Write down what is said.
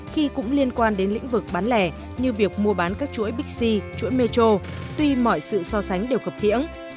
khi cũng liên quan đến lĩnh vực bán lẻ như việc mua bán các chuỗi bixi chuỗi metro tuy mọi sự so sánh đều khập thiễng